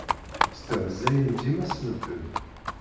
Stehzayen dima s medden.